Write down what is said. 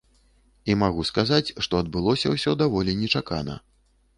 І магу сказаць, што адбылося ўсё даволі нечакана.